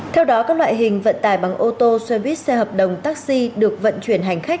theo đó các loại hình vận tải bằng ô tô xe buýt xe hợp đồng taxi được vận chuyển hành khách